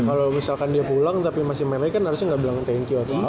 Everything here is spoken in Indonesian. kalau misalkan dia pulang tapi masih main lagi kan harusnya gak bilang thank you atau apa kan